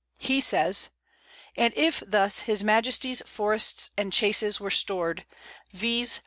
He says: "And if thus his Majesty's forests and chases were stored, viz.